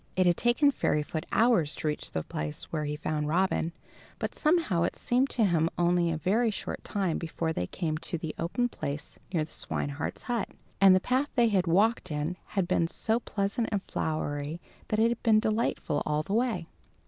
It had taken Fairyfoot hours to reach the place where he found Robin, but somehow it seemed to him only a very short time before they came to the open place near the swineherd's hut; and the path they had walked in had been so pleasant and flowery that it had been delightful all the way.